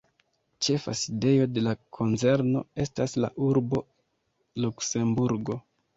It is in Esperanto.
Ĉefa sidejo de la konzerno estas la urbo Luksemburgo.